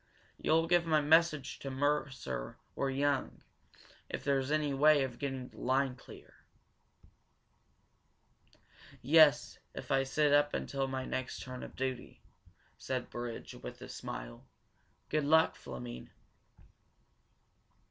You'll give my message to Mercer or Young if there's any way of getting the line clear?" "Yes, if I sit up until my next turn of duty," said Burridge, with a smile. "Good luck, Fleming."